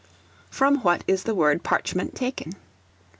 From what is the word Parchment taken?